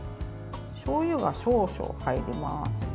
しょうゆが少々入ります。